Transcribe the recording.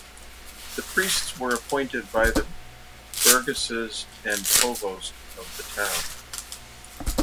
The priests were appointed by the burgesses and provost of the town.